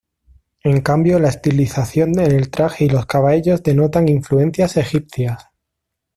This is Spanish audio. En cambio la estilización en el traje y los cabellos denotan influencias egipcias.